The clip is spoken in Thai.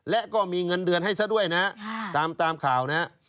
และก็มีเงินเดือนให้ซะด้วยนะตามข่าวนะฮะ